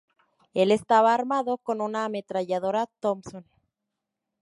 Él estaba armado con una ametralladora Thompson.